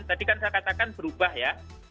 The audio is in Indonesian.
tadi kan saya katakan berubah ya